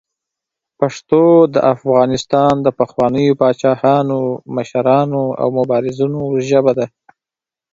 پښتو د افغانستان د پخوانیو پاچاهانو، مشرانو او مبارزینو ژبه ده.